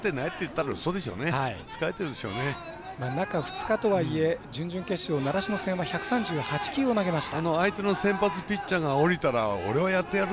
中２日とはいえ準々決勝、習志野戦は１３８球を投げました。